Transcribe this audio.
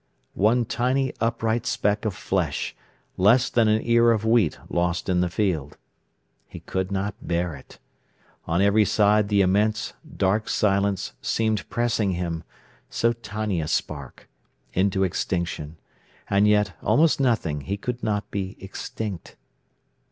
—one tiny upright speck of flesh, less than an ear of wheat lost in the field. He could not bear it. On every side the immense dark silence seemed pressing him, so tiny a spark, into extinction, and yet, almost nothing, he could not be extinct.